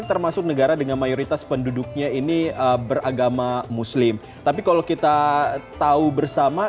termasuk negara dengan mayoritas penduduknya ini beragama muslim tapi kalau kita tahu bersama